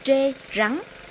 cá trê rắn